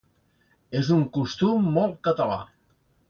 És un costum molt català.